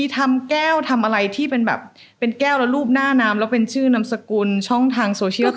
ทำแก้วทำอะไรที่เป็นแก้วและรูปหน้าน้ำและเป็นชื่อนำสกุลช่องทางโซเชียลต่าง